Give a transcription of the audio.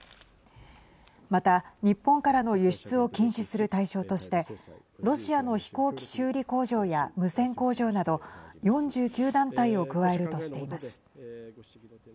また日本からの輸出を禁止する対象としてロシアの飛行機修理工場や無線工場など４９団体を加えるとしています。